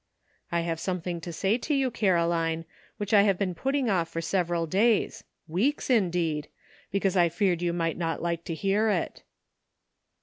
"I have something to say to you, Caroline, which I have been putting off for several days — weeks, indeed — because I feared you might not like to hear it."